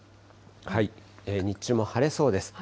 日中も晴れそうです。